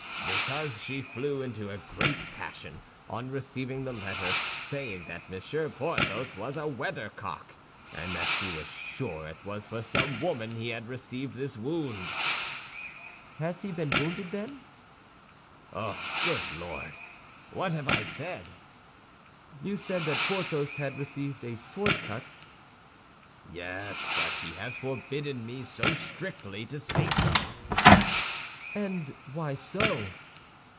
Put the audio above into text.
"Because she flew into a great passion on receiving the letter, saying that Monsieur Porthos was a weathercock, and that she was sure it was for some woman he had received this wound." "Has he been wounded, then?" "Oh, good Lord! What have I said?" "You said that Porthos had received a sword cut." "Yes, but he has forbidden me so strictly to say so." "And why so."